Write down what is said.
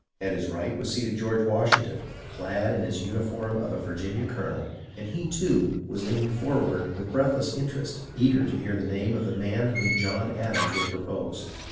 At his right was seated George Washington, clad in his uniform of a Virginia colonel, and he, too, was leaning forward with breathless interest, eager to hear the name of the man whom John Adams would propose.